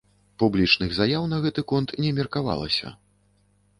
Публічных заяў на гэты конт не меркавалася.